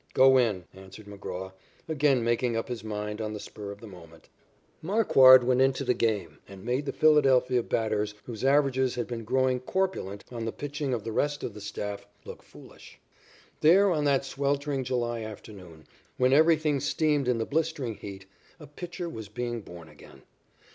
"Go in," answered McGraw, again making up his mind on the spur of the moment. Marquard went into the game and made the Philadelphia batters, whose averages had been growing corpulent on the pitching of the rest of the staff, look foolish. There on that sweltering July afternoon, when everything steamed in the blistering heat, a pitcher was being born again.